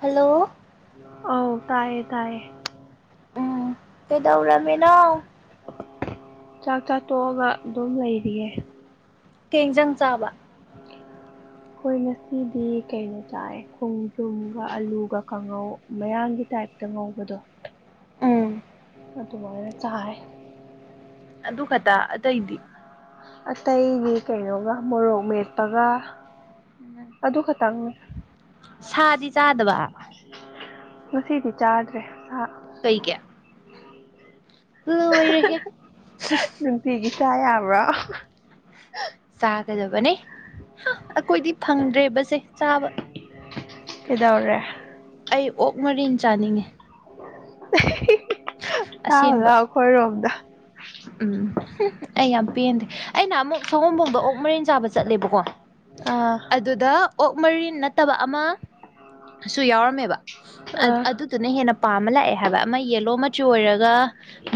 hello ꯑꯧ ꯇꯥꯢꯌꯦ ꯇꯥꯏꯌꯦ ꯎꯝ ꯀꯩꯗꯧꯔꯝꯃꯤꯅꯣ ꯆꯥꯛ ꯆꯥ ꯇꯣꯛꯑꯒ ꯑꯗꯨꯝ ꯂꯩꯔꯤꯌꯦ ꯀꯩ ꯏꯟꯖꯥꯡ ꯆꯥꯕ ꯑꯩꯈꯣꯏ ꯉꯁꯤꯗꯤ ꯀꯩꯅꯣ ꯆꯥꯏ ꯈꯣꯡꯗ꯭ꯔꯨꯝꯒ ꯑꯂꯨꯒ ꯀꯥꯡꯉꯧ ꯃꯌꯥꯡꯒꯤ ꯇꯥꯏꯞꯇ ꯉꯧꯕꯗꯣ ꯎꯝ ꯑꯗꯨꯃꯥꯏꯅ ꯆꯥꯏ ꯑꯗꯨ ꯈꯛꯇ ꯑꯇꯩꯗꯤ ꯑꯇꯩꯒꯤ ꯀꯩꯅꯣꯒ ꯃꯣꯔꯣꯛ ꯃꯦꯠꯄꯒ ꯑꯗꯨ ꯈꯛꯇꯪ ꯁꯥꯗꯤ ꯆꯥꯗꯕ ꯉꯁꯤꯗꯤ ꯆꯥꯗ꯭ꯔꯦ ꯁꯥ ꯀꯩꯒꯤ ꯂꯣꯢꯔꯦꯍꯦ ꯅꯨꯡꯇꯤꯒꯤ ꯆ ꯌꯥꯕ꯭ꯔꯣ ꯆꯥꯒꯗꯕꯅꯦ ꯍꯨꯝ ꯑꯩꯈꯣꯏꯗꯤ ꯐꯪꯗ꯭ꯔꯦꯕꯁꯦ ꯆꯥꯕ ꯀꯩꯗꯧꯔꯦ ꯑꯩ ꯑꯣꯛ ꯃꯔꯤꯟ ꯆꯥꯅꯤꯡꯉꯦ ꯆꯥꯎꯔꯨ ꯑꯁꯦꯡꯕ ꯂꯥꯎ ꯑꯩꯈꯣꯏꯔꯣꯝꯗ ꯎꯝ ꯍꯨꯝ ꯑꯩ ꯌꯥꯝ ꯄꯦꯟꯗꯦ ꯑꯩꯅ ꯅꯥꯍꯟꯃꯨꯛ ꯁꯋꯣꯡꯕꯨꯡꯗ ꯑꯣꯛ ꯃꯔꯤꯟ ꯆꯥꯕ ꯆꯠꯂꯦꯕꯀꯣ ꯑꯥ ꯑꯗꯨꯗ ꯑꯣꯛ ꯃꯔꯤꯟ ꯅꯠꯇꯕ ꯑꯃ ꯁꯨ ꯌꯥꯎꯔꯝꯃꯦꯕ ꯑꯗꯨ ꯑꯥ ꯑꯗꯨꯗꯨꯅ ꯍꯦꯟꯅ ꯄꯥꯝꯃ ꯂꯥꯛꯑꯦ ꯍꯥꯏꯕ ꯑꯃ ꯌꯦꯜꯂꯣ ꯃꯆꯨ ꯑꯣꯏꯔꯒ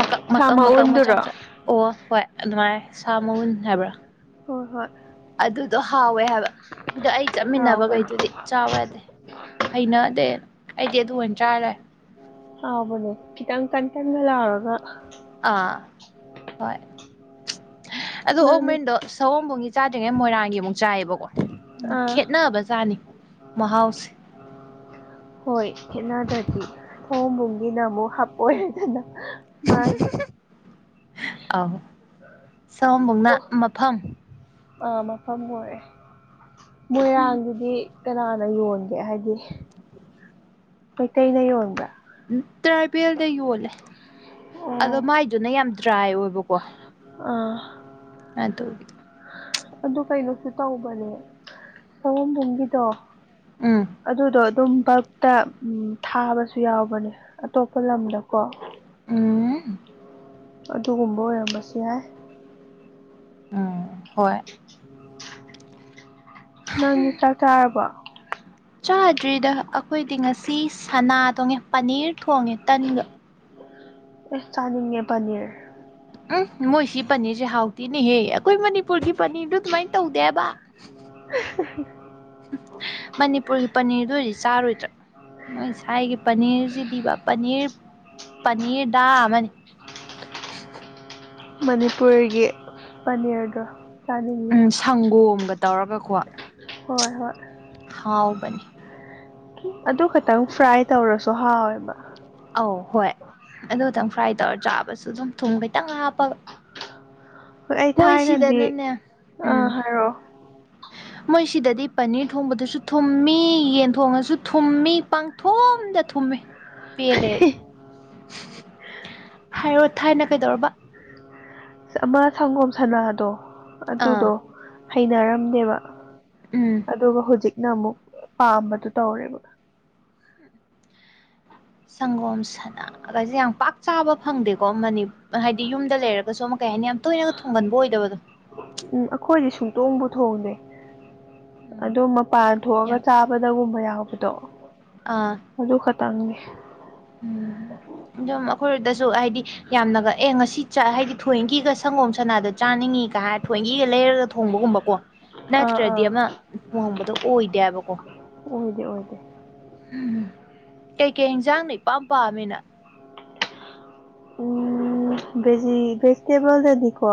ꯃꯀꯛ ꯁꯥ ꯃꯀꯛ ꯃꯀꯛ ꯃꯎꯟꯗꯨꯔꯣ ꯃꯆꯥ ꯑꯣ ꯍꯣꯏ ꯑꯗꯨꯃꯥꯏ ꯁꯥ ꯃꯎꯟ ꯍꯥꯏꯕ꯭ꯔꯥ ꯍꯣꯏ ꯍꯣꯏ ꯑꯗꯨꯗꯣ ꯍꯥꯎꯋꯦ ꯍꯥꯏꯕ ꯑꯗꯨ ꯑꯩ ꯍꯥꯎꯕꯅꯦ ꯆꯠꯃꯤꯟꯅꯕꯈꯩꯗꯨꯗꯤ ꯆꯥꯎ ꯌꯥꯗꯦ ꯍꯩꯅꯗꯦ ꯑꯩꯗꯤ ꯑꯗꯨ ꯑꯣꯏꯅ ꯆꯥꯔ ꯂꯛꯑꯦ ꯍꯥꯎꯕꯅꯦ ꯈꯤꯇꯪ ꯀꯟ ꯀꯟꯒ ꯂꯥꯎꯔꯒꯥ ꯑꯥ ꯍꯣꯏ ꯑꯗꯣ ꯑꯣꯛ ꯅꯪꯗꯤ ꯃꯔꯤꯟꯗꯣ ꯁꯋꯣꯝꯕꯨꯝꯒꯤꯗꯣ ꯆꯥꯗ꯭ꯔꯤꯉꯩ ꯃꯣꯏꯔꯥꯡꯒꯤ ꯑꯃꯨꯛ ꯆꯥꯏꯌꯦꯕꯀꯣ ꯑꯥ ꯈꯦꯠꯅꯕꯖꯅꯤ ꯃꯍꯥꯎꯁꯦ ꯍꯣꯏ ꯈꯦꯠꯅꯗ꯭ꯔꯗꯤ ꯁꯋꯣꯝꯕꯨꯡꯒꯤꯅ ꯑꯃꯨꯛ ꯍꯥꯞ ꯑꯣꯢꯔꯦꯗꯅ ꯃꯥꯒꯤ ꯍꯨꯝ ꯑꯧ ꯁꯋꯣꯝꯕꯨꯡꯅ ꯃꯐꯝ ꯑꯥ ꯃꯐꯝ ꯑꯣꯏꯔꯦ ꯃꯣꯏꯔꯥꯡꯒꯤꯗꯤ ꯀꯅꯥꯅ ꯌꯣꯟꯒꯦ ꯍꯥꯏꯗꯤ ꯃꯩꯇꯩꯩꯅ ꯌꯣꯟꯕ꯭ꯔꯥ ꯇ꯭ꯔꯥꯏꯕꯦꯜꯗ ꯌꯣꯜꯂꯦ ꯑꯣ ꯑꯗꯣ ꯃꯥꯏꯗꯨꯅ ꯌꯥꯝ ꯗ꯭ꯔꯥꯏ ꯑꯣꯏꯕꯀꯣ ꯑꯥ ꯑꯗꯨ ꯑꯗꯨ ꯀꯩꯅꯣꯁꯨ ꯇꯧꯕꯅꯦ ꯁꯋꯣꯝꯕꯨꯡꯒꯤꯗꯣ ꯎꯝ ꯑꯗꯨꯗꯣ ꯑꯗꯨꯝ ꯀꯞꯇ ꯎꯝ ꯊꯥꯕꯁꯨ ꯌꯥꯎꯕꯅꯦ ꯑꯇꯣꯞꯄ ꯂꯝꯗꯀꯣ ꯎꯝ ꯑꯗꯨꯒꯨꯝꯕ ꯑꯣꯏꯔꯝꯕꯁꯨ ꯌꯥꯏ ꯑ ꯍꯣꯏ ꯅꯪ ꯆꯥꯛ ꯆꯥꯔꯕꯣ ꯆꯥꯗ꯭ꯔꯤꯗ ꯑꯈꯣꯏꯗꯤ ꯉꯁꯤ ꯁꯅꯥ ꯊꯣꯡꯉꯦ ꯄꯅꯤꯔ ꯊꯣꯡꯉꯦ ꯇꯟꯒ ꯑꯦ ꯆꯥꯅꯤꯡꯉꯦ ꯄꯅꯤꯔ ꯎꯝ ꯃꯣꯏ ꯁꯤ ꯄꯅꯤꯔꯁꯦ ꯍꯥꯎꯇꯦꯅꯦꯍꯦ ꯑꯩꯈꯣꯏ ꯃꯅꯤꯄꯨꯔꯒꯤ ꯄꯅꯤꯔꯗꯨ ꯑꯗꯨꯃꯥꯏꯅ ꯇꯧꯗꯦꯕ [unintelligible] ꯃꯅꯤꯄꯨꯔꯒꯤ ꯄꯅꯤꯔꯗꯨ ꯑꯣꯏꯔꯗꯤ ꯆꯥꯔꯣꯏꯗ꯭ꯔꯥ ꯃꯣꯏ ꯁꯥꯏꯒꯤ ꯄꯅꯤꯔꯁꯤꯗꯤꯕ ꯄꯅꯤꯔ ꯄꯅꯤꯔꯗꯥ ꯑꯃꯅꯤ ꯃꯅꯤꯄꯨꯔꯒꯤ ꯄꯅꯤꯔꯗꯣ ꯆꯥꯅꯤꯡꯉꯦ ꯎꯝ ꯁꯪꯒꯣꯝꯒ ꯇꯧꯔꯒꯀꯣ ꯍꯣꯏ ꯍꯣꯏ ꯍꯥꯎꯕꯅꯤ ꯑꯗꯨ ꯈꯇꯪ ꯐ꯭ꯔꯥꯏ ꯇꯧꯔꯁꯨ ꯍꯥꯎꯋꯦꯕ ꯑꯧ ꯍꯣꯏ ꯑꯗꯨ ꯈꯇꯪ ꯐ꯭ꯔꯥꯏ ꯇꯧꯔ ꯆꯥꯕꯁꯨ ꯑꯗꯨꯝ ꯊꯨꯝ ꯈꯤꯇꯪ ꯍꯥꯞꯄꯒ ꯍꯣꯏ ꯑꯩ ꯊꯥꯏꯅꯗꯤ ꯃꯣꯏꯁꯤꯗꯅꯅꯦ ꯎꯝ ꯑꯥ ꯍꯥꯏꯔꯛꯑꯣ ꯃꯣꯏꯁꯤꯗꯗꯤ ꯄꯅꯤꯔ ꯊꯣꯡꯕꯗꯁꯨ ꯊꯨꯝꯃꯤ ꯌꯦꯟ ꯊꯣꯡꯉꯁꯨ ꯊꯨꯝꯃꯤ ꯄꯡꯊꯨꯝꯗ ꯊꯨꯝꯃꯤ ꯄꯦꯜꯂꯦ ꯑꯩ ꯍꯥꯏꯔꯣ ꯊꯥꯏꯅ ꯀꯩꯗꯧꯔꯕ ꯑꯃ ꯁꯪꯒꯣꯝ ꯁꯅꯥꯗꯣ ꯑꯗꯨꯗꯣ ꯑꯥ ꯍꯩꯅꯔꯝꯗꯦꯕ ꯎꯝ ꯑꯗꯨꯒ ꯍꯧꯖꯤꯛꯅ ꯑꯃꯨꯛ ꯄꯥꯝꯕꯗꯨ ꯇꯧꯔꯦꯕ ꯁꯪꯒꯣꯝ ꯁꯅꯥ ꯒꯁꯦ ꯌꯥꯝ ꯄꯥꯛ ꯆꯥꯕ ꯐꯪꯗꯦꯀꯣ ꯃꯅꯤ ꯍꯥꯏꯗꯤ ꯌꯨꯝꯗ ꯂꯩꯔꯒꯁꯨ ꯑꯃ ꯀꯩ ꯍꯥꯏꯅꯤ ꯌꯥꯝ ꯇꯣꯏꯅꯒ ꯊꯨꯡꯒꯟꯕ ꯑꯣꯏꯗꯕꯗꯣ ꯎꯝ ꯑꯈꯣꯏꯗꯤ ꯁꯨꯡꯊꯣꯡꯕꯨ ꯊꯣꯡꯗꯦ ꯎꯝ ꯑꯗꯣ ꯃꯄꯥꯟ ꯊꯣꯛꯑꯒ ꯌꯥꯝ ꯆꯥꯕ ꯗꯒꯨꯝꯕ ꯌꯥꯎꯕꯗꯣ ꯑꯥ ꯑꯗꯨ ꯈꯇꯪꯅꯤ ꯎꯝ ꯑꯗꯨꯝ ꯑꯩꯈꯣꯏꯗꯁꯨ ꯍꯥꯏꯗꯤ ꯌꯥꯝꯅꯒ ꯑꯦ ꯉꯁꯤ ꯆ ꯍꯥꯏꯗꯤ ꯊꯣꯏꯀꯤ ꯁꯪꯒꯣꯝ ꯁꯅꯥꯗ ꯆꯥꯅꯤꯡꯉꯤꯒ ꯍꯥꯏꯔ ꯊꯋꯣꯏꯀꯤ ꯂꯩꯔꯒ ꯊꯣꯡꯕꯒꯨꯝꯕꯀꯣ ꯑꯥ ꯅꯠꯇ꯭ꯔꯗꯤ ꯑꯥ ꯑꯃ ꯊꯣꯡꯕꯗꯣ ꯑꯣꯏꯗꯦꯕꯀꯣ ꯑꯣꯏꯗꯦ ꯑꯣꯏꯗꯦ ꯎꯝ ꯀꯩ ꯀꯩ ꯏꯟꯖꯥꯡꯅ ꯏꯄꯥꯝ ꯄꯥꯝꯃꯤ ꯅꯪ ꯎꯝ ꯚꯦꯖꯤ ꯚꯦꯖꯤꯇꯦꯕꯜꯗꯗꯤꯀꯣ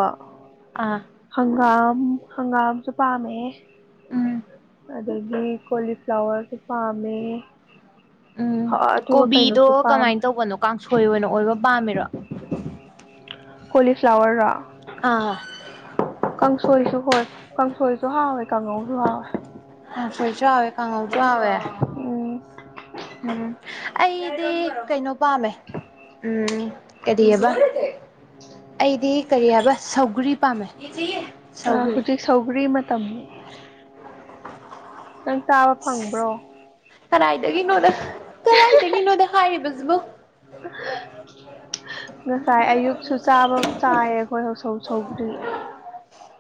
ꯑꯥ ꯍꯪꯒꯥꯝ ꯍꯪꯒꯥꯝꯁꯨ ꯄꯥꯝꯃꯦꯍꯦ ꯎꯝ ꯑꯗꯒꯤ ꯀꯣꯂꯤꯐ꯭ꯂꯥꯋꯔꯁꯨ ꯄꯥꯝꯃꯦ ꯎꯝ ꯑꯗꯨꯒ ꯀꯣꯕꯤꯗꯣ ꯀꯩꯅꯣꯁꯨ ꯄꯥꯝ ꯀꯃꯥꯏ ꯇꯧꯕꯅꯣ ꯀꯥꯡꯁꯣꯏ ꯑꯣꯏꯅ ꯑꯣꯏꯕ ꯄꯥꯝꯃꯤꯔꯣ ꯀꯣꯂꯤꯐ꯭ꯂꯥꯋꯔꯔꯣ ꯑꯥ ꯀꯥꯡꯁꯣꯏꯁꯨ ꯍꯣꯏ ꯀꯥꯡꯁꯣꯏꯁꯨ ꯍꯥꯎꯋꯦ ꯀꯥꯡꯉꯧꯁꯨ ꯍꯥꯎꯋꯦ ꯀꯥꯡꯁꯣꯏꯁꯨ ꯍꯥꯥꯎꯋꯦ ꯀꯥꯉꯧꯁꯨ ꯍꯥꯎꯋꯦ ꯎꯝ ꯎꯝ ꯑꯩꯗꯤ ꯀꯩꯅꯣ ꯄꯥꯝꯃꯦ ꯎꯝ ꯀꯔꯤꯌꯕ ꯑꯩꯗꯤ ꯀꯔꯤ ꯍꯥꯏꯕ ꯁꯧꯒ꯭ꯔꯤ ꯄꯥꯝꯃꯦ ꯑ ꯁꯧꯒ꯭ꯔꯤ ꯍꯧꯖꯤꯛ ꯁꯧꯒ꯭ꯔꯤ ꯃꯇꯝꯅꯤ ꯅꯪ ꯆꯥꯕ ꯐꯪꯕ꯭ꯔꯣ ꯀꯔꯥꯏꯗꯒꯤꯅꯣꯗ ꯀꯔꯥꯏꯗꯒꯤꯅꯣꯗ ꯍꯥꯏꯔꯤꯕꯁꯤꯕꯨ ꯉꯁꯥꯏ ꯑꯌꯨꯛꯁꯨ ꯆꯥꯕ ꯆꯥꯏꯌꯦ ꯑꯩꯈꯣꯏ ꯍꯧꯁꯧ ꯁꯧꯒ꯭ꯔꯤ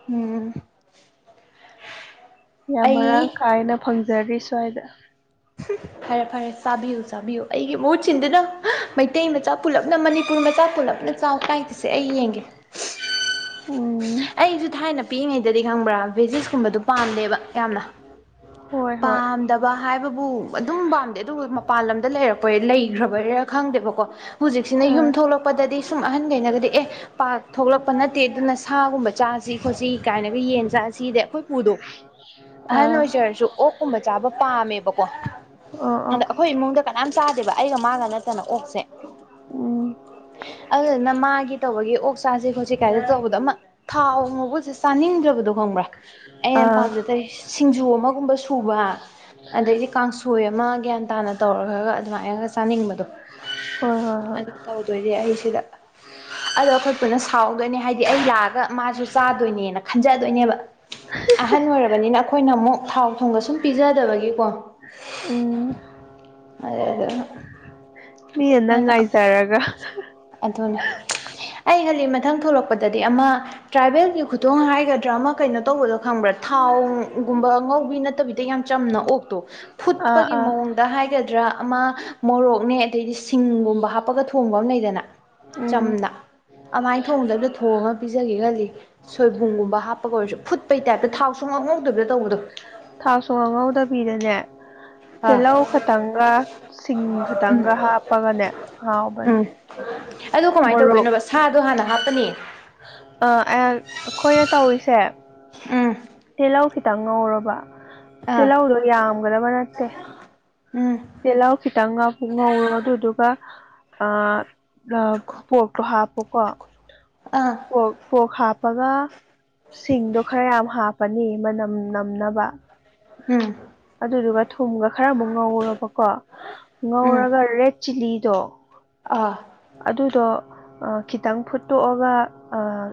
ꯎꯝ ꯌꯥꯝ ꯑꯩ ꯃꯔꯥꯡ ꯀꯥꯏꯅ ꯐꯪꯖꯔꯤ ꯁ꯭ꯋꯥꯏꯗ ꯐꯔꯦ ꯐꯔꯦ ꯆꯥꯕꯤꯌꯨ ꯆꯥꯕꯤꯌꯨ ꯑꯩꯒꯤ ꯃꯍꯨꯠ ꯁꯤꯟꯗꯨꯅ ꯃꯩꯇꯩ ꯃꯆꯥ ꯄꯨꯜꯂꯞꯅ ꯃꯅꯤꯄꯨꯔ ꯃꯆꯥ ꯄꯨꯜꯂꯞꯅ ꯆꯥꯎ ꯀꯥꯏꯗꯁꯦ ꯑꯩ ꯌꯦꯡꯒꯦ ꯎꯝ ꯑꯩꯁꯨ ꯊꯥꯏꯅ ꯄꯤꯛꯏꯉꯩꯗꯗꯤ ꯈꯪꯕ꯭ꯔꯥ ꯚꯦꯖꯤꯦꯁꯀꯨꯝꯕꯗꯨꯣ ꯄꯥꯝꯗꯦꯕ ꯌꯥꯝꯅ ꯍꯣꯏ ꯍꯣꯏ ꯄꯝ ꯗꯕ ꯍꯥꯏꯕꯕꯨ ꯑꯗꯨꯝ ꯄꯥꯝꯗꯦ ꯑꯗꯨ ꯃꯄꯥꯟ ꯂꯝꯗ ꯂꯩꯔꯛꯄꯩ ꯂꯩꯈ꯭ꯔꯕꯩꯔꯥ ꯈꯪꯗꯦꯕꯀꯣ ꯍꯧꯖꯤꯛꯁꯤꯅ ꯑꯥ ꯌꯨꯝ ꯊꯣꯛꯂꯛꯄꯗꯗꯤ ꯁꯨꯝ ꯑꯍꯟꯈꯩꯅꯒꯗꯤ ꯑꯦ ꯄꯥ ꯊꯣꯛꯂꯛꯄ ꯅꯠꯇꯦ ꯑꯗꯨꯅ ꯁꯥꯒꯨꯝꯕ ꯆꯥꯁꯤ ꯈꯣꯠꯁꯤ ꯀꯥꯏꯅꯒ ꯌꯦꯟ ꯆꯥ ꯁꯤꯗ ꯑꯩꯈꯣꯏ ꯄꯨꯗꯣ ꯑꯍꯟ ꯑꯣꯏꯖꯔꯁꯨ ꯑꯣꯛ ꯎ ꯎ ꯎ ꯑꯗ ꯑꯩꯈꯣꯏ ꯏꯃꯨꯡꯗ ꯀꯅꯥꯝ ꯆꯥꯗꯦꯕ ꯑꯩꯒ ꯃꯥꯒ ꯅꯠꯇꯅ ꯑꯣꯛꯁꯦ ꯎꯝ ꯑꯗꯨꯗꯨꯅ ꯃꯥꯒꯤ ꯇꯧꯕꯒꯤ ꯑꯣꯛ ꯆꯥꯁꯦ ꯈꯣꯠꯁꯤ ꯀꯥꯏꯗ ꯇꯧꯕꯗ ꯑꯃ ꯊꯥꯎ ꯉꯧꯕꯒꯁꯦ ꯆꯥꯅꯤꯡꯗ꯭ꯔꯕꯗꯣ ꯈꯪꯕ꯭ꯔꯥ ꯑꯩꯅ ꯑꯥ ꯄꯥꯝꯖꯗꯔꯤꯁ ꯁꯤꯡꯖꯨ ꯑꯃꯒꯨꯝꯕ ꯁꯨꯕ ꯑꯗꯩꯗꯤ ꯀꯥꯡꯁꯣꯏ ꯑꯃ ꯒ꯭ꯌꯥꯟ ꯇꯥꯅ ꯇꯧꯔꯈ꯭ꯔꯒ ꯑꯗꯨꯃꯥꯏꯅꯒ ꯆꯥꯅꯤꯡꯕꯗꯣ ꯍꯣꯏ ꯍꯣꯏ ꯍꯣꯏ [inaudible] ꯇꯧꯗꯣꯏꯅꯦ ꯑꯩ ꯁꯤꯗ ꯑꯗꯣ ꯑꯩꯈꯣꯏ ꯄꯨꯅ ꯁꯥꯎꯗꯣꯏꯅꯦ ꯍꯥꯏꯗꯤ ꯑꯩ ꯂꯥꯛ ꯒꯥ ꯃꯥꯁꯨ ꯆꯥꯗꯣꯏꯅꯦꯅ ꯈꯟꯖꯗꯣꯏꯅꯦꯕ ꯑꯍꯟ ꯑꯣꯏꯔꯕꯅꯤꯅ ꯑꯈꯣꯏꯅ ꯃꯨꯛ ꯊꯥꯎ ꯊꯨꯝꯒ ꯁꯨꯝ ꯄꯤꯖꯗꯕꯒꯤꯀꯣ ꯎꯝ [unintelligible] ꯃꯤꯅ ꯅꯪ ꯉꯥꯏꯖꯔꯒ ꯑꯗꯨꯅꯦ ꯑꯩ ꯈꯜꯂꯤ ꯃꯊꯪ ꯊꯣꯛꯂꯛꯄꯗꯗꯤ ꯑꯃꯥ ꯇ꯭ꯔꯥꯏꯕꯦꯜꯒꯤ ꯈꯨꯊꯣꯡ ꯍꯥꯏꯒꯗ꯭ꯔꯥ ꯑꯃꯥ ꯀꯩꯅꯣ ꯇꯧꯕꯗꯣ ꯈꯪꯕ꯭ꯔꯥ ꯊꯥꯎꯒꯨꯝꯕ ꯉꯧꯕꯤ ꯅꯠꯇꯕꯤꯗ ꯌꯥꯝ ꯆꯝꯅ ꯑꯣꯛꯇꯣ ꯑꯥ ꯐꯨꯠꯄꯒꯤ ꯑꯥ ꯃꯑꯣꯡ ꯗꯥ ꯍꯥꯏꯒꯗ꯭ꯔꯥ ꯑꯃꯥ ꯃꯣꯔꯣꯛꯅꯦ ꯑꯗꯩꯗꯤ ꯁꯤꯡꯒꯨꯝꯕ ꯍꯥꯞꯄꯒ ꯊꯣꯡꯕ ꯑꯝ ꯂꯩꯗꯅ ꯎꯝ ꯆꯝꯅ ꯑꯃꯥꯏ ꯊꯣꯡꯗꯕꯗ ꯊꯣꯡꯉ ꯄꯤꯖꯒꯦ ꯈꯜꯂꯤ ꯁꯣꯏꯕꯨꯝꯒꯨꯝꯕ ꯍꯥꯞꯄꯒ ꯑꯣꯏꯔꯁꯨ ꯐꯨꯠꯄꯩ ꯇꯥꯏꯞꯇ ꯊꯥꯎ ꯁꯨꯡꯉꯧ ꯉꯧꯗꯕꯗ ꯇꯧꯕꯗꯣ ꯊꯥꯎ ꯁꯨꯉꯧ ꯉꯧꯗꯕꯤꯗꯅꯦ ꯑꯥ ꯇꯦꯜꯂꯧ ꯈꯇꯪꯒ ꯁꯤꯡ ꯈꯇꯪꯒ ꯍꯥꯞꯄꯒꯅꯦ ꯍꯥꯎꯕꯅꯦ ꯑꯗꯣ ꯀꯃꯥꯏ ꯃꯣꯔꯣꯛ ꯇꯧꯗꯣꯏꯅꯣꯕ ꯁꯥꯗꯣ ꯍꯥꯟꯅ ꯍꯥꯞꯄꯅꯤ ꯑꯥ ꯑꯩ ꯑꯈꯣꯏꯅ ꯇꯧꯔꯤꯁꯦ ꯎꯝ ꯇꯦꯜꯂꯧ ꯈꯤꯇꯪ ꯉꯧꯔꯕ ꯑꯥ ꯇꯤꯜꯂꯧꯗꯣ ꯌꯥꯝꯒꯗꯕ ꯅꯠꯇꯦ ꯎꯝ ꯇꯦꯜꯍꯧ ꯈꯤꯇꯪꯒ ꯉꯧꯔꯣꯕ ꯑꯗꯨꯗꯨꯒ ꯑꯥ ꯂꯞ ꯄꯣꯔꯇꯣ ꯍꯥꯞꯄꯣꯀꯣ ꯑꯥ ꯄꯣꯛ ꯄꯣꯛ ꯍꯥꯞꯄꯒ ꯁꯤꯡꯗꯣ ꯈꯔ ꯌꯥꯝ ꯍꯥꯞꯄꯅꯤ ꯃꯅꯝ ꯅꯝꯅꯕ ꯎꯝ ꯑꯗꯨꯗꯨꯒ ꯊꯨꯝꯒ ꯈꯔ ꯑꯃꯨꯛ ꯉꯧꯔꯕꯀꯣ ꯎꯝ ꯉꯧꯔꯒ ꯔꯦꯠ ꯆꯤꯂꯤꯗꯣ ꯑꯥ ꯑꯗꯨꯗꯣ ꯑꯥ ꯈꯤꯇꯪ ꯐꯨꯠꯇꯣꯛꯑꯒ ꯑꯥ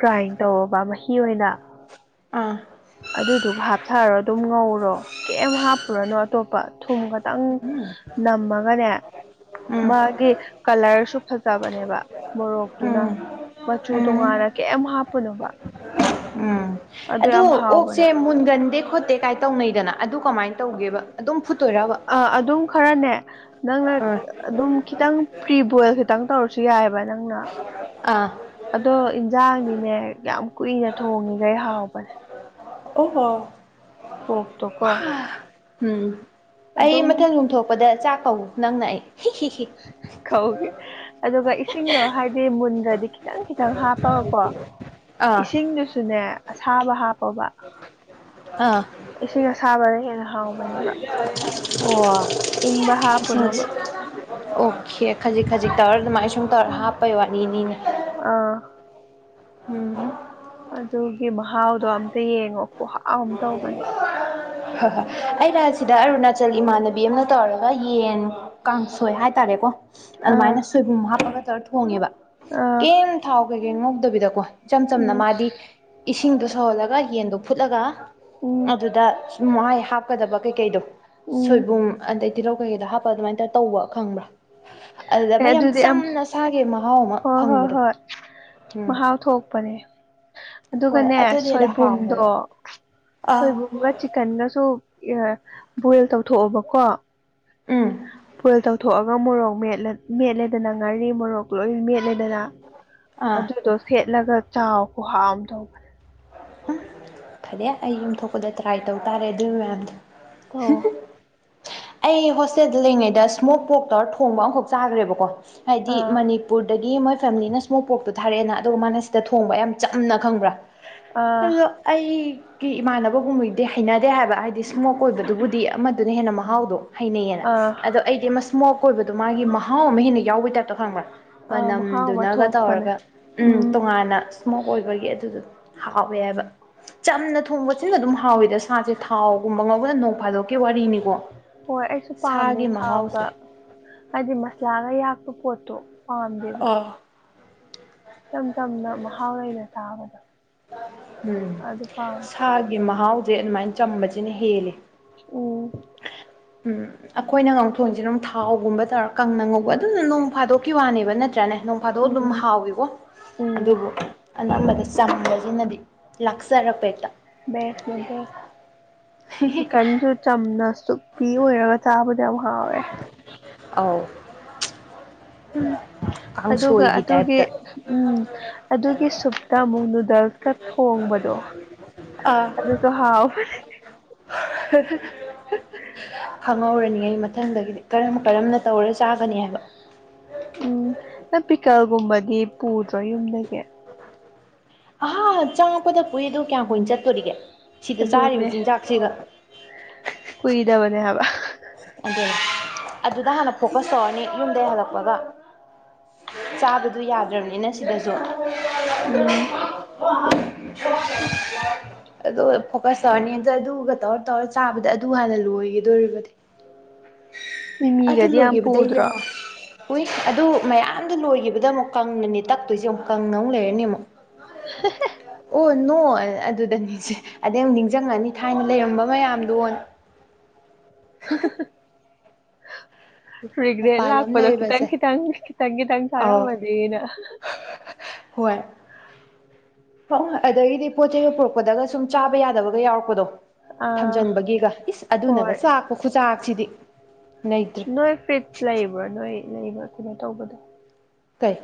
ꯒ꯭ꯔꯥꯏꯟ ꯇꯧꯋꯣꯕ ꯃꯍꯤ ꯑꯣꯏꯅ ꯑꯥ ꯑꯗꯨꯗꯨꯒ ꯍꯥꯞꯊꯔꯣ ꯑꯗꯨꯝ ꯉꯧꯔꯣ ꯀꯩꯝ ꯍꯥꯞꯄꯨꯔꯅꯣ ꯑꯇꯣꯞꯄ ꯊꯨꯝ ꯈꯠ ꯇꯪ ꯅꯝꯃꯒꯅꯦ ꯎꯝ ꯃꯥꯒꯤ ꯀꯂꯔꯁꯨ ꯐꯖꯕꯅꯦꯕ ꯃꯣꯔꯣꯛꯇꯨꯅ ꯎꯝ ꯃꯆꯨ ꯎꯝ ꯇꯣꯉꯥꯟꯅ ꯀꯩꯝ ꯍꯥꯞꯄꯨꯅꯣꯕ ꯎꯝ ꯑꯗꯨ ꯑꯗꯣ ꯌꯥꯝ ꯑꯣꯛꯆꯦ ꯍꯥꯎꯕꯅꯦ ꯃꯨꯟꯒꯟꯗꯦ ꯈꯣꯠꯇꯦ ꯀꯥꯏ ꯇꯧꯅꯩꯗꯅ ꯑꯗꯨ ꯀꯃꯥꯏꯅ ꯇꯧꯒꯦꯕ ꯑꯗꯨꯝ ꯐꯨꯠꯇꯣꯏꯔꯕ ꯑꯥ ꯑꯗꯨꯝ ꯈꯔꯅꯦ ꯅꯪꯅ ꯑꯥ ꯑꯗꯨꯝ ꯈꯤꯇꯪ ꯄ꯭ꯔꯤ ꯕꯣꯏꯜ ꯈꯤꯇꯪ ꯇꯧꯔꯁꯨ ꯌꯥꯏꯑꯕ ꯅꯪꯅ ꯑꯥ ꯑꯗꯣ ꯏꯟꯖꯥꯡꯗꯤꯅꯦ ꯌꯥꯝ ꯀꯨꯏꯅ ꯊꯣꯡꯉꯤꯒꯩ ꯍꯥꯎꯕꯅꯦ ꯑꯣ ꯍꯣ ꯄꯣꯛ ꯇꯣ ꯀꯣ ꯎꯝ ꯑꯩ ꯃꯊꯪ ꯌꯨꯝ ꯊꯣꯛꯂꯛꯄꯗ ꯆꯥꯛ ꯀꯧ ꯅꯪꯅ ꯑꯩ ꯍꯤ ꯍꯤ ꯍꯤ ꯀꯧꯒꯦ ꯑꯗꯨꯒ ꯏꯁꯤꯡꯗꯣ ꯍꯥꯏꯗꯤ ꯃꯨꯟꯗ꯭ꯔꯗꯤ ꯈꯤꯇꯪ ꯈꯤꯇꯪ ꯍꯥꯞꯄꯒꯀꯣ ꯑꯥ ꯏꯁꯤꯡꯗꯨꯁꯨꯅꯦ ꯑꯁꯥꯕ ꯍꯥꯞꯄꯣꯕ ꯑꯥ ꯏꯁꯤꯡ ꯑꯁꯥꯕꯅ ꯍꯦꯟꯅ ꯍꯥꯎꯕꯅꯦꯕ ꯑꯣ ꯏꯪꯕ ꯍꯥꯞꯄꯨꯅꯣꯕ ꯏꯁꯤꯡꯁ ꯑꯣꯈꯦ ꯈꯖꯤꯛ ꯈꯖꯤꯛ ꯇꯧꯔ ꯑꯗꯨꯃꯥꯏꯟ ꯁꯨꯝ ꯇꯧꯔ ꯍꯥꯞꯄꯩ ꯋꯥꯔꯤꯅꯤꯅꯦ ꯑꯥ ꯎꯝ ꯑꯗꯨꯒꯤ ꯃꯍꯥꯎꯗꯣ ꯑꯝꯇ ꯌꯦꯡꯉꯣ ꯈꯨꯍꯥꯎ ꯑꯝ ꯇꯧꯕꯅꯦ ꯑꯩꯅ ꯁꯤꯗ ꯑꯔꯨꯅꯥꯆꯜ ꯏꯃꯥꯟꯅꯕꯤ ꯑꯝꯅ ꯇꯧꯔꯒ ꯌꯦꯟ ꯀꯥꯡꯁꯣꯏ ꯍꯥꯏꯇꯥꯔꯦꯀꯣ ꯑꯥ ꯑꯗꯨꯃꯥꯏꯅ ꯁꯣꯏꯕꯨꯝ ꯍꯥꯞꯄꯒ ꯇꯧꯔ ꯊꯣꯡꯉꯦꯕ ꯑꯥ ꯀꯤꯝ ꯊꯥꯎ ꯀꯩꯀꯩ ꯉꯧꯗꯕꯤꯗꯀꯣ ꯏꯆꯝ ꯆꯝꯅ ꯎꯝ ꯃꯥꯗꯤ ꯏꯁꯤꯡꯗꯣ ꯁꯧꯍꯜꯂꯒ ꯌꯦꯟꯗꯣ ꯐꯨꯠꯂꯒ ꯎꯝ ꯑꯗꯨꯗ ꯁꯨꯃꯥꯏ ꯍꯥꯞꯀꯗꯕ ꯀꯩꯀꯩꯗꯣ ꯎꯝ ꯁꯣꯏꯕꯨꯝ ꯑꯗꯩ ꯇꯤꯜꯍꯧ ꯀꯩꯀꯩꯗꯣ ꯍꯥꯞꯄꯒ ꯑꯗꯨꯃꯥꯏꯟ ꯇꯧꯔ ꯇꯧꯕ ꯈꯪꯕ꯭ꯔꯥ ꯑꯗꯨꯗ ꯑꯃ ꯑꯦ ꯌꯥꯝ ꯑꯗꯨꯗꯤ ꯑꯝ ꯆꯝꯅ ꯁꯥꯒꯤ ꯃꯍꯥꯎ ꯑꯃ ꯍꯣꯏ ꯍꯣꯏ ꯐꯪꯕꯗꯣ ꯍꯣꯏ ꯎꯝ ꯃꯍꯥꯎ ꯊꯣꯛꯄꯅꯦ ꯍꯣꯏ ꯑꯗꯨꯒꯅꯦ ꯑꯗꯨꯅ ꯍꯦꯟꯅ ꯁꯣꯏꯕꯨꯝꯗꯣ ꯍꯥꯎꯋꯦꯕ ꯑꯥ ꯁꯣꯏꯕꯨꯝꯒ ꯆꯤꯛꯀꯟꯒꯁꯨ ꯏꯌꯥ ꯕꯣꯏꯜ ꯇꯧꯊꯣꯛꯑꯕꯀꯣ ꯎꯝ ꯕꯣꯏꯜ ꯇꯧꯊꯣꯛꯑꯒ ꯃꯣꯔꯣꯛ ꯃꯦꯠꯂ ꯃꯦꯠꯂꯦꯗꯅ ꯉꯥꯔꯤ ꯃꯣꯔꯣꯛ ꯂꯣꯏ ꯃꯦꯠꯂꯦꯗꯅ ꯑꯥ ꯑꯗꯨꯗꯣ ꯁꯦꯠꯂꯒ ꯆꯥꯎ ꯈꯨꯍꯥꯎ ꯑꯝ ꯇꯧꯕꯅꯦ ꯐꯔꯦ ꯑꯩ ꯌꯨꯝ ꯊꯣꯛꯄꯗ ꯇ꯭ꯔꯥꯏ ꯇꯧꯇꯥꯔꯦ ꯑꯗꯨ ꯃꯌꯥꯝꯗꯣ ꯇꯧꯋꯣ ꯑꯩ ꯍꯣꯁꯇꯦꯜꯗ ꯂꯩꯔꯤꯉꯩꯗ ꯁ꯭ꯃꯣꯛ ꯄꯣꯔꯛ ꯇꯧꯔ ꯊꯣꯡꯕ ꯑꯝꯈꯛ ꯆꯥꯒ꯭ꯔꯦꯕꯀꯣ ꯍꯥꯏꯗꯤ ꯑꯥ ꯃꯅꯤ ꯄꯨꯔꯗꯒꯤ ꯃꯣꯏ ꯐꯦꯃꯤꯂꯤꯅ ꯁ꯭ꯃꯣꯛ ꯄꯣꯔꯛꯇꯣ ꯊꯥꯔꯛꯑꯦꯅ ꯑꯗꯨꯒ ꯃꯥꯅ ꯁꯤꯗ ꯊꯣꯡꯕ ꯌꯥꯝ ꯆꯝꯅ ꯈꯪꯕ꯭ꯔꯥ ꯑꯥ ꯑꯗꯣ ꯑꯩ ꯀꯤ ꯏꯃꯥꯟꯅꯕꯒꯨꯝꯕꯗꯤ ꯍꯩꯅꯗꯦ ꯍꯥꯏꯕ ꯍꯥꯏꯗꯤ ꯁ꯭ꯃꯣꯛ ꯑꯣꯏꯕꯗꯨꯕꯨꯗꯤ ꯑꯃꯗꯨꯅ ꯍꯦꯟꯅ ꯃꯍꯥꯎꯗꯣ ꯍꯩꯅꯩꯌꯦꯅ ꯑꯥ ꯑꯗꯣ ꯑꯩꯗꯤ ꯑꯃ ꯁ꯭ꯃꯣꯛ ꯑꯣꯏꯕꯗꯣ ꯃꯥꯒꯤ ꯃꯍꯥꯎ ꯑꯃ ꯍꯦꯟꯅ ꯌꯥꯎꯕꯩ ꯇꯥꯏꯞ ꯇꯣ ꯈꯪꯕ꯭ꯔ ꯑꯥ ꯃꯍꯥꯎ ꯑꯃ ꯃꯅꯝꯗꯨꯅꯒ ꯊꯣꯛꯄꯅꯦ ꯇꯧꯔꯒ ꯎꯝ ꯇꯣꯉꯥꯟꯅ ꯁ꯭ꯃꯣꯛ ꯑꯣꯏꯕꯒꯤ ꯑꯗꯨꯗꯣ ꯍꯥꯎꯋꯦ ꯍꯥꯏꯕ ꯆꯝꯅ ꯊꯣꯡꯕꯁꯤꯅ ꯑꯗꯨꯝ ꯍꯥꯎꯋꯤꯗ ꯁꯥꯁꯦ ꯊꯥꯎꯒꯨꯝꯕ ꯉꯧꯕꯗ ꯅꯣꯡ ꯐꯥꯗꯣꯛꯀꯤ ꯋꯥꯔꯤꯅꯤꯀꯣ ꯍꯣꯏ ꯑꯩꯁꯨ ꯄꯥꯝꯗꯦ ꯁꯥꯒꯤ ꯊꯥꯎꯒ ꯃꯍꯥꯎꯁꯦ ꯍꯥꯏꯗꯤ ꯃꯁꯂꯥꯒ ꯌꯥꯛꯄ ꯄꯣꯠꯇꯣ ꯄꯥꯝꯗꯦꯕ ꯎꯝ ꯏꯆꯝ ꯆꯝꯅ ꯃꯍꯥꯎ ꯂꯩꯅ ꯆꯥꯕꯗꯣ ꯎꯝ ꯑꯗꯨ ꯄꯥꯝꯃꯦ ꯁꯥꯒꯤ ꯃꯍꯥꯎꯖꯦ ꯑꯗꯨꯃꯥꯏꯟ ꯆꯝꯕꯖꯤꯅ ꯍꯦꯜꯂꯤ ꯎꯝ ꯎꯝ ꯑꯩꯈꯣꯏꯅ ꯉꯥꯎꯊꯣꯡꯉꯤꯁꯤꯅ ꯑꯃꯨꯛ ꯊꯥꯎꯒꯨꯝꯕ ꯇꯧꯔ ꯀꯪꯅ ꯉꯧꯕ ꯑꯗꯨꯅ ꯅꯣꯡ ꯐꯥꯗꯣꯛꯀꯤ ꯋꯥꯅꯦꯕ ꯅꯠꯇ꯭ꯔꯅꯦ ꯅꯣꯡ ꯐꯥꯗꯣꯛ ꯑꯗꯨꯝ ꯎꯝ ꯍꯥꯎꯋꯤꯒꯣ ꯎꯝ ꯑꯗꯨꯕꯨ ꯑꯅꯝꯕꯗꯤ ꯆꯝꯕꯖꯤꯅꯗꯤ ꯂꯥꯛꯆꯔꯛꯄ ꯍꯦꯛꯇ ꯕꯦꯠꯁ ꯅꯦ ꯕꯦ [unintelligible] ꯆꯤꯛꯀꯟꯁꯨ ꯆꯝꯅ ꯁꯨꯛꯄꯤ ꯑꯣꯏꯔꯒ ꯆꯥꯕꯗ ꯌꯥꯝ ꯍꯥꯎꯋꯦ ꯑꯥꯎ ꯎꯝ ꯑꯗꯨꯒ ꯑꯗꯨꯒꯤ ꯎꯝ ꯑꯗꯨꯒꯤ ꯁꯨꯞꯇ ꯑꯃꯨꯛ ꯅꯨꯗꯜꯁꯀ ꯊꯣꯡꯕꯗꯣ ꯑꯗꯨꯁꯨ ꯍꯥꯎꯕꯅꯦ [unintelligible] ꯈꯪꯍꯧꯔꯅꯤ ꯑꯩ ꯃꯊꯪꯗꯒꯤꯗꯤ ꯀꯔꯝ ꯀꯔꯝꯅ ꯇꯧꯔ ꯆꯥꯒꯅꯤ ꯍꯥꯏꯕ ꯎꯝ ꯅꯪ ꯄꯤꯀꯜꯒꯨꯝꯕꯗꯤ ꯄꯨꯗ꯭ꯔꯣ ꯌꯨꯝꯗꯒꯤ ꯑꯍꯥ ꯆꯪꯉꯛꯄꯗ ꯄꯨꯏ ꯑꯗꯨ ꯀꯌꯥꯝ ꯀꯨꯏꯅ ꯆꯠꯇꯣꯔꯤꯒꯦ ꯁꯤꯗ ꯆꯥꯔꯤꯕ ꯑꯗꯨꯅꯦ ꯆꯤꯟꯖꯥꯛꯁꯤꯒ ꯀꯨꯏꯗꯕꯅꯦ ꯍꯥꯏꯕ ꯑꯗꯨ ꯑꯗꯨꯗ ꯍꯥꯟꯅ ꯐꯣꯀꯁ ꯇꯧꯔꯅꯤ ꯌꯨꯝꯗꯩ ꯍꯜꯂꯛꯄꯒ ꯆꯥꯕꯗꯨ ꯌꯥꯗ꯭ꯔꯝꯅꯤꯅ ꯁꯤꯗꯁꯨ ꯎꯝ [unintelligible] ꯑꯗꯨꯒ ꯐꯣꯀꯁ ꯇꯧꯔꯅꯤ ꯑꯗ ꯑꯗꯨꯒ ꯇꯧꯔ ꯇꯧꯔ ꯆꯥꯕꯗ ꯑꯗꯨ ꯍꯥꯟꯅ ꯂꯣꯏꯒꯤꯗꯣꯔꯤꯕꯗꯤ ꯑꯗꯨ ꯃꯤꯃꯤꯒꯗꯤ ꯌꯥꯝ ꯂꯣꯏꯒꯤꯕꯗꯩꯗꯤ ꯄꯨꯗ꯭ꯔꯣ ꯑꯃ‌ꯣꯛ ꯍꯨꯏꯁ ꯑꯗꯨ ꯃꯌꯥꯝꯗꯣ ꯂꯣꯏꯒꯤꯕꯗ ꯑꯃꯨꯛ ꯀꯪꯅꯅꯦ ꯇꯛꯇꯣꯏꯁꯦ ꯑꯃꯨꯛ ꯀꯪꯅ ꯑꯃꯨꯛ ꯂꯩꯔꯅꯤ ꯑꯃꯨꯛ [unintelligible] ꯑꯣ ꯅꯣ ꯑꯗꯨꯗꯅ‌ꯦꯁꯦ ꯑꯗꯩ ꯑꯃꯨꯛ ꯅꯤꯡꯖꯤꯡꯉꯅꯤ ꯊꯥꯏꯅ ꯂꯩꯔꯝꯕ ꯃꯌꯥꯝꯗꯣꯅ [unintelligible] ꯔꯤꯒ꯭ꯔ‌ꯦꯠ ꯃꯄꯥꯟ ꯂꯝ ꯂꯥꯛꯄꯗ ꯈꯤꯇꯪ ꯂꯩꯔꯨꯕꯁꯦ ꯈꯤꯇꯪ ꯈꯤꯇꯪ ꯈꯤꯇꯪ ꯆꯥꯔꯝꯃꯗꯤꯅ ꯍ‌ꯣꯏ ꯐꯛꯍꯣꯏ ꯑꯗꯒꯤꯗꯤ ꯄꯣꯠ ꯆꯩ ꯑꯃ ꯄꯨꯔꯛꯄꯗꯒ ꯁꯨꯝ ꯆꯥꯕ ꯌꯥꯗꯕꯒ ꯌꯥꯎꯔꯛꯄꯗꯣ ꯑꯥ ꯊꯝꯖꯤꯟꯕꯒꯤꯒ ꯏꯁ ꯍꯣꯏ ꯑꯗꯨꯅꯒ ꯆꯥꯛꯄ ꯈꯨꯆꯥꯛꯁꯤꯗꯤ ꯂꯩꯇ꯭ꯔꯦ ꯅꯣꯏ ꯐꯤꯠ ꯂꯩꯕ꯭ꯔꯥ ꯅꯣꯏ ꯂꯩꯕ꯭ꯔꯥ ꯀꯩꯅꯣ ꯇꯧꯕꯗꯣ ꯀꯩ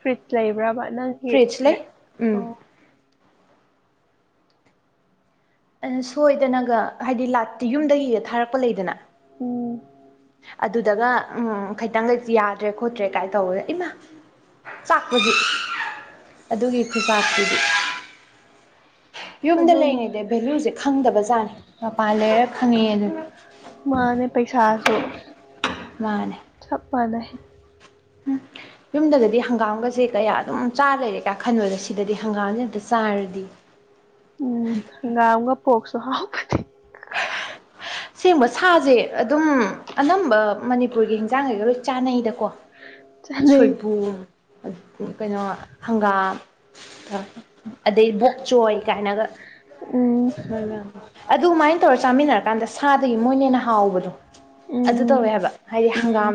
ꯐ꯭ꯔꯤꯖ ꯂꯩꯕ꯭ꯔꯕ ꯅꯪꯒꯤ ꯐ꯭ꯔꯤꯖ ꯂꯩ ꯎꯝ ꯑꯣ ꯑꯩꯅ ꯁꯣꯏꯗꯅꯒ ꯍꯥꯏꯗꯤ ꯂꯥꯠꯇꯤ ꯌꯨꯝꯗꯒꯤꯒ ꯊꯥꯔꯛꯄ ꯂꯩꯗꯅ ꯎꯝ ꯑꯗꯨꯗꯒ ꯎꯝ ꯈꯩꯇꯪꯒꯖꯤ ꯌꯥꯗ꯭ꯔꯦ ꯈꯣꯠꯇ꯭ꯔꯦ ꯀꯥꯏ ꯇꯧꯕꯗ ꯏꯃꯥ ꯆꯥꯛꯄꯗꯤ ꯑꯗꯨꯒꯤ ꯈꯨꯆꯥꯛꯇꯨꯗꯤ ꯌꯨꯝꯗ ꯑꯗꯨꯝ ꯂꯩꯔꯤꯉꯩꯗ ꯚꯦꯂꯨꯖ‌ꯦ ꯈꯪꯗꯕꯖꯥꯠꯅꯤ ꯃꯄꯥꯟ ꯂꯩꯔ ꯈꯪꯉ‌ꯛꯑꯦꯗꯨꯅꯤ ꯃꯥꯅꯦ ꯄꯩꯁꯥꯁꯨ ꯆꯞ ꯃꯥꯟꯅꯩ ꯎꯝ ꯌꯨꯝꯗꯒꯗꯤ ꯍꯪꯒꯥꯝꯒꯖ‌ꯦ ꯀꯌꯥ ꯑꯗꯨꯝ ꯆꯥ ꯂꯩꯔꯦ ꯀꯥꯏ ꯈꯟꯕꯣꯗ ꯁꯤꯗꯗꯤ ꯍꯪꯒꯥꯝꯖ‌ꯦ ꯑꯝꯇ ꯆꯥꯔꯗꯤ ꯎꯝ ꯍꯪꯒꯥꯝꯒ ꯄꯣꯛꯁꯨ ꯍꯥꯎꯕꯅꯤ ꯁꯦꯡꯕ ꯁꯥꯖ‌ꯦ ꯑꯗꯨꯝ ꯑꯅꯝꯕ ꯃꯅꯤꯄꯨꯔꯒꯤ ꯍꯤꯟꯖꯥꯡꯒꯩꯒ ꯂꯣꯏ ꯆꯥꯅꯩꯗꯀꯣ ꯆꯥꯅꯩ ꯁꯣꯏꯕꯨꯝ ꯀꯩꯅꯣ ꯍꯪꯒꯥꯝ ꯑꯗꯩ ꯕꯣꯛꯆꯣꯏ ꯀꯥꯏꯅꯒ ꯎꯝ ꯑꯗꯨꯃꯥꯏꯟ ꯑꯗꯨꯇꯧꯔ ꯆꯥꯃꯤꯟꯅꯔ ꯀꯥꯟꯗ ꯁꯥꯗꯒꯤ ꯃꯣꯏꯅ ꯍ‌ꯦꯟꯅ ꯍꯥꯎꯕꯗꯣ ꯑꯗꯨ ꯎꯝ ꯇꯧꯋꯦ ꯍꯥꯏꯕ ꯍꯥꯏꯗꯤ ꯍꯪꯒꯥꯝ